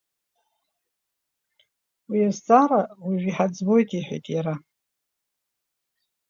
Уи азҵаара уажәы иҳаӡбоит, — иҳәеит иара.